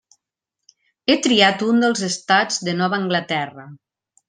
He triat un dels estats de Nova Anglaterra.